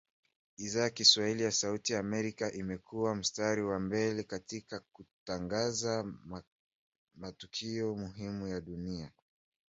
Idhaa ya Kiswahili ya Sauti Amerika imekua mstari wa mbele katika kutangaza matukio muhimu ya dunia